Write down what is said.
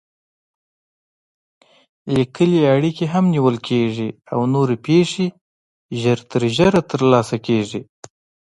لیکلې اړیکې هم نیول کېږي او نوې پېښې ژر تر ژره ترلاسه کېږي.